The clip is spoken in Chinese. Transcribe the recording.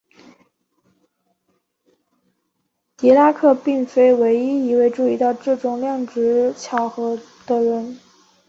狄拉克并非唯一一位注意到这种量值巧合的人。